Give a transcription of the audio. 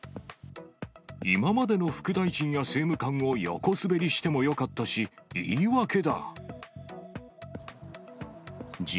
今までの副大臣や政務官を横滑りしてもよかったし、言い訳だ。